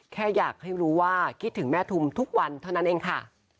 แค่อยากให้รู้ว่าคิดถึงแม่ทุมทุกวันเท่านั้นเองค่ะ